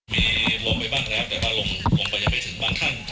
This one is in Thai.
มีลมไปบ้างแล้วแต่ว่าลงไปยังไม่ถึงบางท่าน